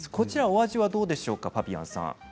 お味はどうでしょうかファビアンさん。